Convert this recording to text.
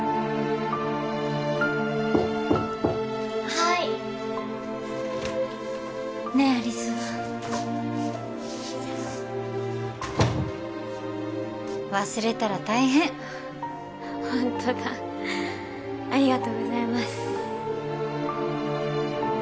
はーいねえ有栖忘れたら大変ホントだありがとうございます